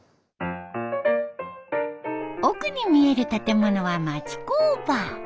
奥に見える建物は町工場。